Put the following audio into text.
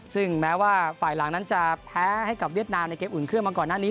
ซึ่งแม้ว่าฝ่ายหลังนั้นจะแพ้ให้กับเวียดนามในเกมอุ่นเครื่องมาก่อนหน้านี้